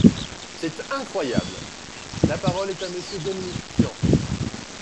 C’est incroyable ! La parole est à Monsieur Dominique Tian.